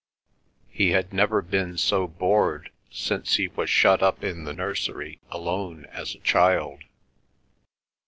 He had never been so bored since he was shut up in the nursery alone as a child.